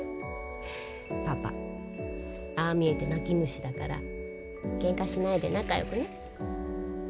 パパ、ああ見えて泣き虫だから、けんかしないで仲よくね。